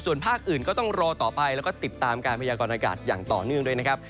ส่วนภาคอื่นก็ต้องรอต่อไปแล้วก็ติดตามการพยากรณากาศอย่างต่อเนื่องด้วยนะครับ